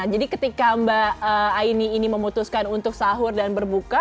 jadi ketika mbak aini ini memutuskan untuk sahur dan berbuka